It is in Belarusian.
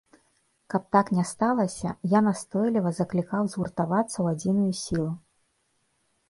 Каб так не сталася, я настойліва заклікаў згуртавацца ў адзіную сілу.